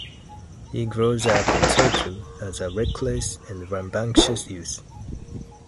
He grows up in Tokyo as a reckless and rambunctious youth.